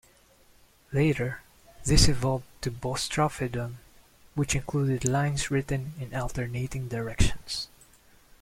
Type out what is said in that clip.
Later, this evolved to "boustrophedon," which included lines written in alternating directions.